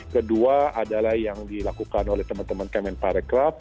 kedua adalah yang dilakukan oleh teman teman kemen parekraf